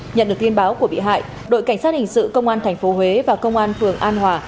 nhận được tin báo của bị hại đội cảnh sát hình sự công an tp huế và công an phường an hòa